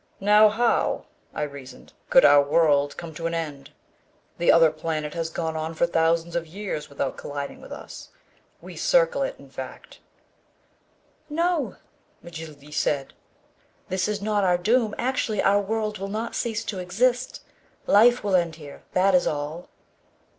"Now, how," I reasoned, "could our world come to an end? The other planet has gone on for thousands of years without colliding with us. We circle it, in fact." "No," Mjly said, "that is not our doom. Actually our world will not cease to exist. Life will end here, that is all."